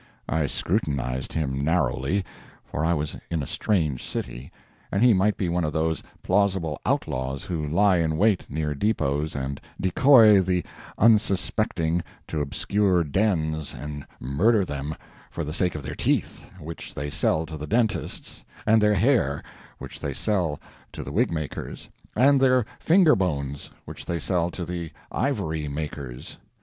I scrutinized him narrowly, for I was in a strange city, and he might be one of those plausible outlaws who lie in wait near depots and decoy the unsuspecting to obscure dens and murder them, for the sake of their teeth, which they sell to the dentists—and their hair, which they sell to the wig makers—and their finger bones, which they sell to the ivory makers.